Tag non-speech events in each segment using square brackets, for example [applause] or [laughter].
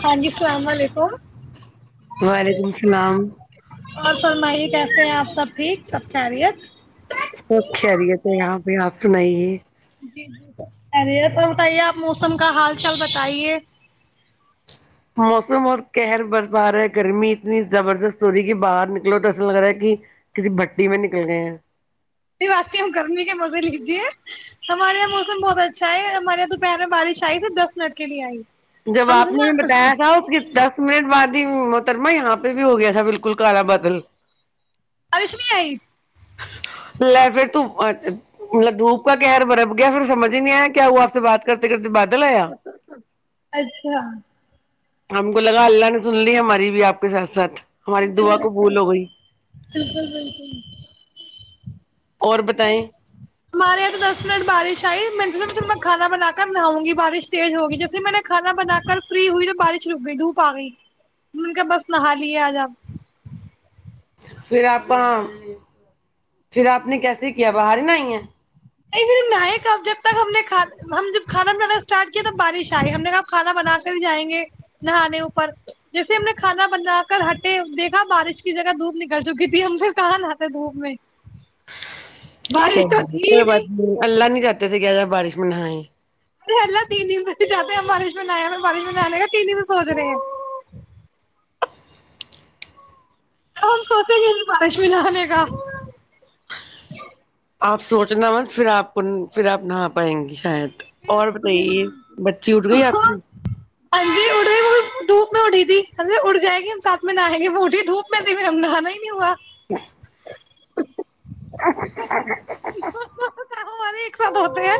ہاں جی اللام و علیکم وعلیکم السلام اور فرمائیے کیسے ہیں آپ سب ٹھیک سب خیریت سب خیریت یہاں پ آپ س نہیں جی جی اے تو بتائیے آپ موسم کا حال چال بتائیے موسم بہت کہہر برف آ رہا ہے گرمی اتنی زبردست ہو رہی ہے کہ باہر نکلو تو ایسا لگ رہا ہے کہ کسی بھٹی میں نکل گئے ہیں یہی بات ہم گرمی کے مزے لیجیے ہمارے یہاں موسم بہت اچھا ہے ہمارے یہاں دوپہر میں بارش آئی تو دس منٹ کے لیے آئی جب آپ سے نے ہم بتایا یہاں تھا اس کے دس منٹ بعد محترمہ یہاں پہ بھی ہو گیا تھا بالکل کالا بادل رشمی آئی ل پھر توطب دھوپ کا کہر برپ گیا پھر سمجھ ہی نہیں آیا کیا وہ آپ سے بات کرتے کرتے بات اچھا ہم کو لگا اللہ نے سن لی ہماری بھی آپ کے ساتھ ساتھ ہماری دعا قبول بالکل ہو گئی بالکل بالکل اور بتائیں ہمارے یہاں تو دس منٹ بارش آئی کانا بنا کر نہاؤں گی بارش تیز ہوگی جیسے میں نے کھانا بنا کر فری ہوئی تو بارش رک گئی دھوپ آ گئی نے کہ بس نہا لی آج آپ پھر آپ پھر آپ نے کیسے کیا باہر ہی ن آئی ہیں نہیںھر نہ کب جب تک ہم نے ہم جب کھانا بنانا اسٹارٹ کیا تب بارش آئے ہم نے کہ کھانا بنا کر ہی جائیں گے نہانے اوپر جیسے ہم نے کھانا بنا کر ہٹے دیکھا بارش کی جگہ دھوپ نکل چکی تھی ہم پھر کہاں نہاتے دھوپ میں بارش تو چلیے ت کوئی بات نہیں اللہ نہیں چاہتے سے کیا ج بارش میں نہائی ارےلا تین د چاہتے مالش منا میں مالش منا لے گا تینن سوچ رہے ہیں ا ہم سوچیں گے نہیں بارش بھی نہ آنے کا آپ سوچنا مس پھر آپ کو پھر آپ نہا پائیں گی شاید اور بتائیے بچی اٹھ گئی آپ کی ہ جی اڑی وہ دھوپ میں اڑی تھی اڑ جائے گی ہم سھ میں نہائیں گے وہ اٹی دھوپ میں پھر ہم نہانا ہی نہیں ہوا ہ [inaudible] [inaudible] ہم ہمارے ایک ساتھ ہوتے ہیں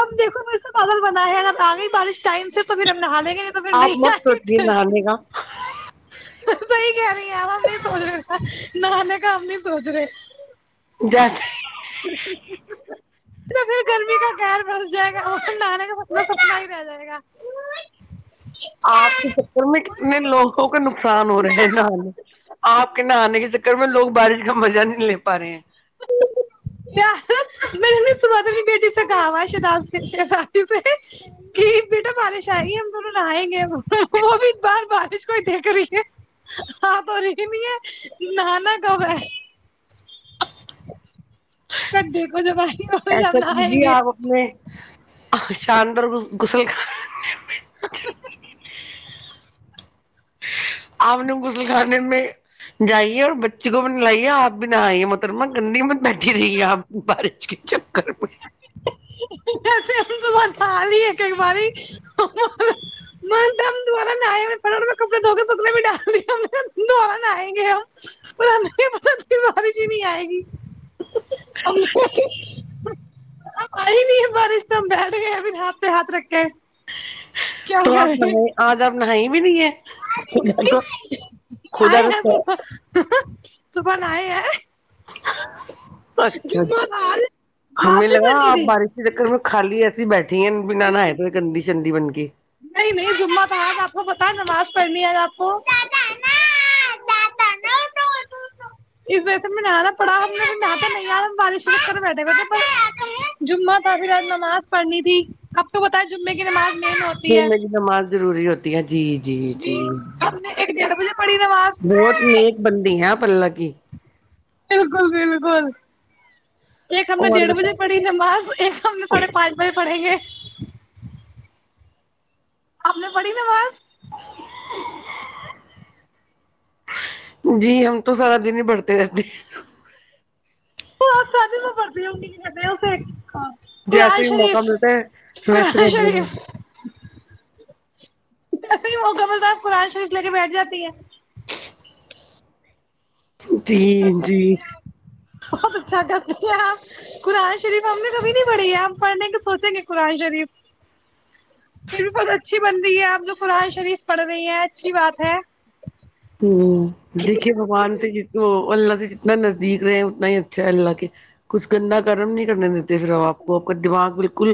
اب دیکھو وسا بگل بنا ہے اگر آگے ہی بارش ٹائم تو پھر ہم نہا لیں گے تو پھر آپ نہیں آ مت گے سوچیے نہانے کا توی کہہ رہی سچ نان کام نہیں سز رہے جس پھر گرمی کا پغیر برس جائے گا اور کھنڈے کا مسا ہی رہ جائے گا آپ کے چکر میں کتنے لوگوں کا نقصان ہو رہا ہے نہانے آپ کے نہانے کے چکر میں لوگ بارش کا مزہ نہیں لے پا رہے ہیں میں س تو بیٹی سکھاوا شات سے کہ بیٹا بالش آئی ہم ت لیں گے وہ بھی بار بار کوئی دیکھ رہی ہے ہاں ب رہ نہیں ہے نانا کب ہے تک دیکھو جب آئیں گے اور جب ایسا لائیں کیجیے گے آپ اپنے شاندار کھ بھی [inaudible] آپ نے غسل خانے میں جائیے اور بچے کو بھی ن لائیے آپ بھی نہ آئیے محترمہ گندی میں بیٹھی رہی ہے آپ بارش کی چ [inaudible] بار نہ کپڑے دھو کے سکھنے بھی ڈال دوبارہ نہئیں گے ہم بارش ہی نہیں آئے گی اب آئی نہیں بارشت ہم بیہلے گئے اب ہاتھ پ ہاتھ رکھ کے کیا تو آپ کریں نہ آج آپ نہائی بھی نہیں ہے خدا کا خدا کا [unintelligible] صبح ن آئے ہے اچھا آج ہمیں معافی لگا بنی آپ تھی بارش کے چکر میں خالی ای [unintelligible] [unintelligible] پھی بنا نہ ہے تو کندھی شی بن کے پرمی آگ آپ کو اس وجہ میں نہا پڑھا نہیں بارشش کر بیٹھے بیے جمہ تھا پھر نماز پڑھنی تھی اب تو بتاائے جمعے کی نماز مین پ ہوتی ہے می کی نماز روری ہوتی ہے جی جی جی ہم نے ایک ڈیڑھ بجے پڑھی نماز بہت نیک بند ہے پلا کی بالکل بالکل ایک ہم نے اور ڈیڑھ بتا بجے پڑیں جمباز ایک ہم نے ساڑھے پانچ بجے پڑھیں گے آپ نے پڑی نواز جی ہم تو سارا دن ہی بڑھتے رہتے ہیں [unintelligible] قرآن جیسے ہی موقع شریف ملتا ہے ویسے قرآن مج شریف ایسے ہی مکمل صاحب قرآن شریف لے کے بیٹھ جاتی ہے بہت اچھا [unintelligible] کرتی قرآن شریف ہم نے کبھی نہیں پڑھی ہے ہم پڑھنے کے سوچیں گے قرآن شریف پھر بھی بہت اچھی بن رہی ہے ہم لوگ قرآن شریف پڑھ رہے ہیں اچھی بات ہے ہ دیکھیے بگوان سے اللہ سے جتنا نزدیک رہے ہیں اتنا ہی اچھا ہے اللہ کے کچھ گندا گرم نہیں کرنے دیتے پھر ہم آپ کو آپ کا دماغ بالکل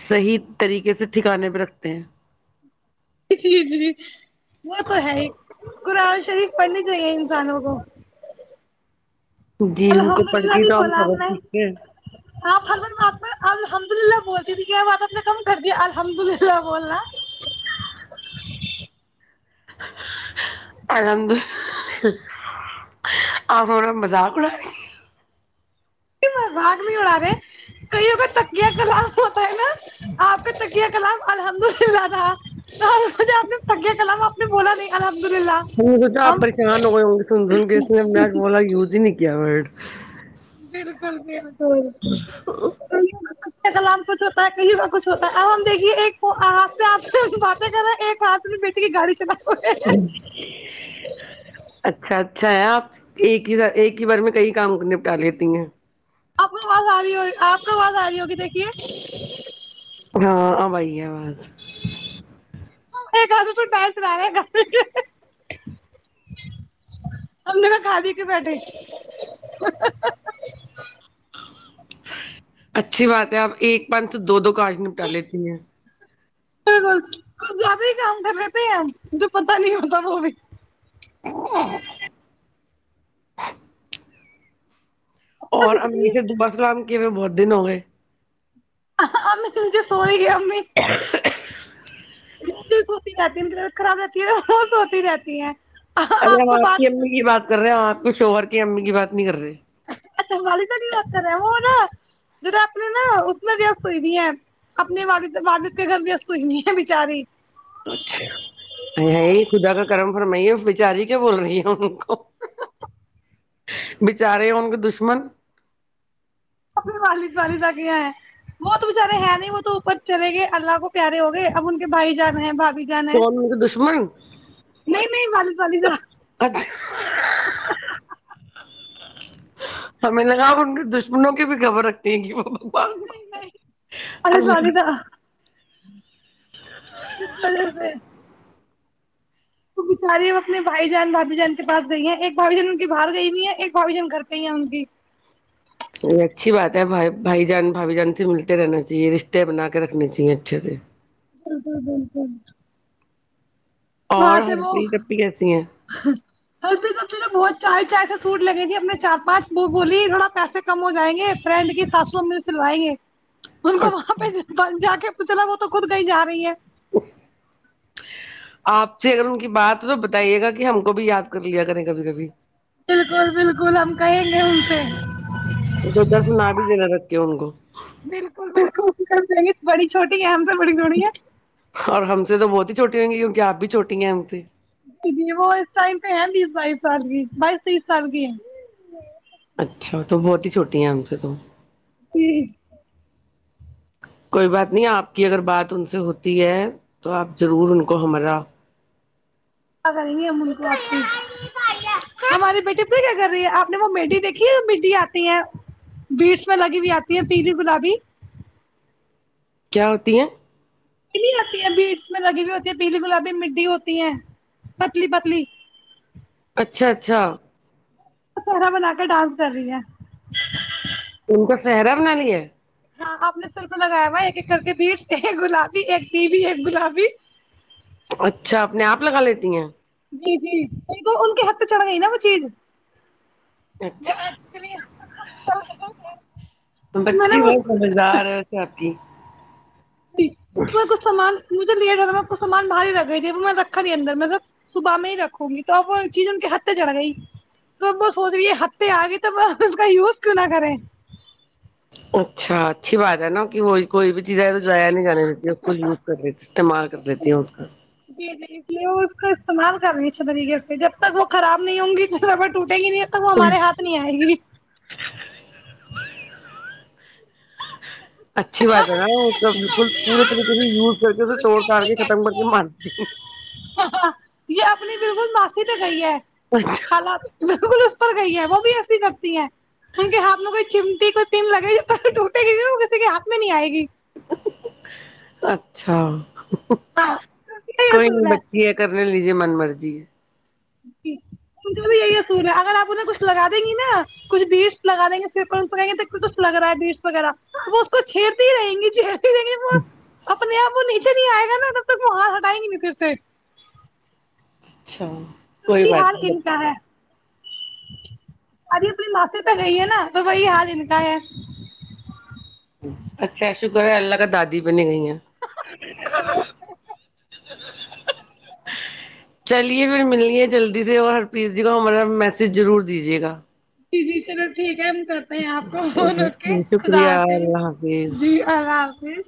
صحیح طریقے سے ٹھکانے پہ رکھتے ہیں ج جی وہ تو ہے قرآن شریف پڑھنی چاہیے انسانوں کو جی ان کو الحمد پڑھ للہ کے ج تو ہم بولا آپ سبق نے سیکھتے ہیں آپ ہمراں پرد اللہحمدلہ بولتی ت کیا بات اپنا کم کر دی الحمد للہ بولنا [unintelligible] [unintelligible] [unintelligible] باگ نہیں اڑا رہے ک تکیہ کلام ہوتا ہے نا آپ کے تکیہ کلام الحمد للہ تھا آپ نے تکیہ کلام آپ نے بولا نہیں الحمد للہ ہ تو ج آپ ہم پریشان ہو گئے ہوے سن سن کےسی نے بولا یوز ہی نہیں کیا اور بالکل پھر [unintelligible] کلام کچھ ہوتا ہے کہیں کا کچھ ہوتا ہے اب ہم دیکھیے ایک بات رہ ایک ہاتھ میں بیٹے کی گاڑی چلا رہے ہیں [unintelligible] اچھا ہے آپ ایک ہی ایک ہی بار میں کئی کام نپٹا لیتی ہیں آپ کو آواز آ رہی ہوگی آپ کو آواز آ رہی ہوگی دیکھیے ہاں آبائی ہے آواز ایک کد پ پیر چلا رہے ہم نےا کھای کے بیھے اچھی بات ہے آپ ایک پنت دو دو کاج نپٹا لیتی ہیں ب ک زیادہ ہی کام کر لیتے ہیں ہم جو پت نہیں ہوتا وہ بھی ہ اور ابا اللام کے بہت دن ہو گئے ہم تمھے سوئی گیا ہ سوتی رہتی ہے خراب رہتی ہے وہ سوتی رہتی ہیں ارے ہم کو آپ کی بات امی کی بات کر رہے ہیں آپ کو شوہر کی امی کی بات نہیں کر رہ اچھا والد نہیں ار ہے وہ نا جا اپنے نا اس میں بھی سوئی نہیں ہے اپنے والد والد کے گھر بھی سوئی نہیں ہے بچاری اچھا ہے خدا کا کرم فرمائیے بچاری کیا بول رہی ہے ان کو بچارے ہیں ان کے دشمن ا والد والد آگ یہ ہے وہ تو بچارے ہیں نہیں وہ تو اوپر چلے گئے اللہ کو پیارے ہو گئے اب ان کے بھائی جان رہے ہیں بھگ کون مجھے دشمنی پ نہا اچھا ہمیں لگاپ ان کے دشمنوں کی بھی گبر رکھتی ہیں کہ وہ ب والد اللہ والدہ ے [unintelligible] تو بچاری وہ اپنے بھائی جان بھابھی جان کے پاس گئی ہیں ایک بھھی جان ان کی باہر گئی نہیں ہے ایک بھھی جان گھر پ ہی ہیں ان کی یہ اچھی بات ہےھائی بھائی جان بھائی جان سے ملتے رہنا چاہیے رشتے بنا کے رکھنے چاہیے اچھے سے بالکل بالکل وہاں اور سے وہ ہرپریت اپی کیسی ہیں سب بہت چائے چائے سے سوٹ لگیں گے اپنے چار پانچ وہ بولی تھوڑا پیسے کم ہو جائیں گے فرینڈ کے سات سو میں سلوائیں گے ان کو وہاں پہ جا کے تو چلا وہ تو خود گئی جا رہی ہے آپ سے اگر ان کی بات ہو تو بتائیے گا کہ ہم کو بھی یاد کر لیا کریں کبھی کبھی بالکل بالکل ہم کہیں گے ان سے تو دو چارف نہ بھی دینا رکھے ہو ان کو بالکل بالکل کر بڑی چھوٹی ہے سے بڑی تھوڑی ہے اور ہم سے تو بہت ہی چھوٹی ہووں گی گ آب بھی چوٹی ہیں ا ان سے جی جی وہ اس ٹائم پہ ہے تیس بائیس سال کی بائیس تیس سال کی اچھا تو بہت ہی چھوٹی ہیں ان سے تو ہ [inaudible] کوئی بات نہیں آپ کی اگر بات ان سے ہوتی ہے تو آپ ضرور ان کو ہمارا ا کو آ ہماری بیٹی اھر کیا کر رہی ہے آپ نے وہ مٹیھی دیکھی ہے مٹی آتی ہے بیٹس میں لگی ہوئی آتی ہے پیلی گلابی کیا ہوتی ہیں پ آتی ہے بی اس میں لگی ہوئی ہوتی ہے پیلی گلابی مٹیھی ہوتی ہیں پتلی پتلی اچھا اچھا پہرا بنا کے ڈانس کر رہی ہیں ان کا سہرا بنال ہے ہاں آپ نے سر کو لگایا ہوا ایک ایک کر کے بیٹ ایک گلابی ایک بیو ایک گلابی اچھا اپنے آپ لگا لیتی ہیں جی جی تو ان کے ہاتھ پ چڑھ گئی نا وہ چیز اچھا کل [unintelligible] بچی بہت سمجھدار ہے اس تھے آپ کی ج میں کچھ سامان مجھے لیٹ ہوا کو سامان باہاری رکھ گئی تھی رکھا نہیں اندر ملب صبح میں ہی رکھوں گی تو اب وہ چیز ان کے ہتے چڑھ گئی تو وہ سوچ رہی ہتے آ گئی تو اس کا یوز کی نہ کریں اچھا اچھی بات ہے نا کہ وہ کوئی بھی چیز ہے تو جایا نہیں جانے دیتی اس کو یوز کر استعمال کر دیتی ہے اس کا اس کو استعمال کر رہے اچھے طریقے سے جب تک وہ خراب نہیں ہوں گی دورے ٹوٹ گی نہیں تو وہ ہمارے ہاتھ نہیں آئے گی اچھی بات ہے نا وہ س بالکل پورے طریقے سے یوز کر کےے توڑ جڑ کے ختم کر کے مارتی یہ اپنی بالکل معافی تو گئی ہے خالا بکل گئی ہے وہ بھی ایسی کرتی ہے ان کے ہاتھ میں کوئی چمٹی کوئی پم لگےی پے ٹوٹے گی وہ کسی کے ہاتھ میں نہیں آئے گی اچھا ہاں یہی کوئی اصول نہیں بچی ہے کر نے لیجے من مرضی ہے بھی یہی اصول ہے اگر آپ انہیں کچھ لگا دیں گی نا کچھ بیٹس لگا دیں گے لگائیں گے کچھ لگ رہا ہے بیٹس وغیرہ وہ اس کو چھیڑتی ہی رہیں گی وہ اپنے آپ وہ ن پ نہیں آئے گا نا مار ہٹائی گ سے اچھا تو کوئی میری حال بات ان کا نہیں ہے سج اپنی ماسیی تو گئی ہے نا تو بی حال ان کا ہے اچھا شکر ہے اللہ کا دادی بنی گئی ہیں [unintelligible] ج چلیے پھر ملے جلدی سے اور ہر پس جی کا ہمارا میسج ضرور دیجیے گا جی چلو ٹھیک ہے کرتے ہیں آپ کو بون ر کے خدا شکریہ آتے ہیں اللہ حافظ جی اللہ حافظ